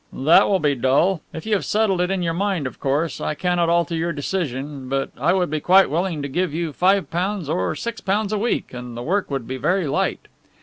"That will be dull. If you have settled it in your mind, of course, I cannot alter your decision, but I would be quite willing to give you £5 or £6 a week, and the work would be very light."